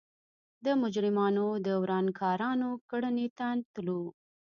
د مجرمانو او ورانکارانو کړنې نه تلو.